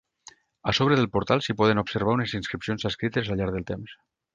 A sobre del portal s'hi poden observar unes inscripcions escrites al llarg del temps.